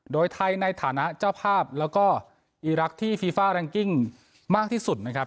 โดยไทยในฐานะเจ้าภาพแล้วก็อีรักษ์ที่ฟีฟ่าแรงกิ้งมากที่สุดนะครับ